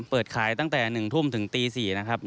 เปิดขายตั้งแต่๑ทุ่มถึงตี๔นะครับ